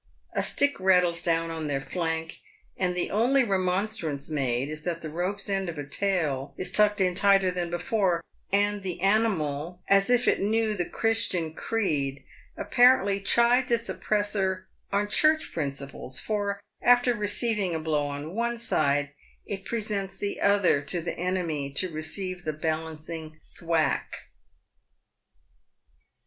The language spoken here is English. A stick rattles down on their flank, and the only re monstrance made is that the rope's end of a tail is tucked in tighter than before, and the animal, as if it knew the Christian creed, apparently chides its oppressor on Church principles, for, after re ceiving a blow on one side, it presents the other to the enemy to receive the balancing thwack.